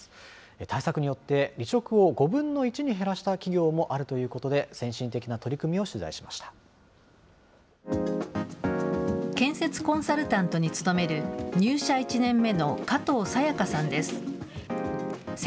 対策によって、離職を５分の１に減らした企業もあるということで、先進的な取り建設コンサルタントに勤める、入社１年目の加藤彩さんです。